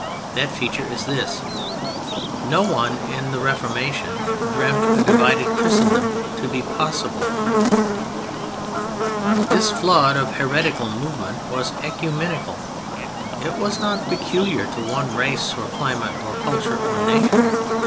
That feature is this: No one in the Reformation dreamt a divided Christendom to be possible. This flood of heretical movement was oecumenical; it was not peculiar to one race or climate or culture or nation.